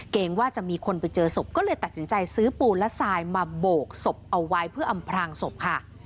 ว่าจะมีคนไปเจอศพก็เลยตัดสินใจซื้อปูนและทรายมาโบกศพเอาไว้เพื่ออำพรางศพค่ะ